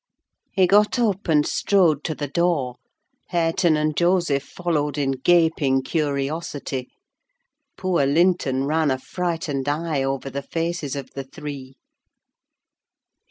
He got up and strode to the door: Hareton and Joseph followed in gaping curiosity. Poor Linton ran a frightened eye over the faces of the three.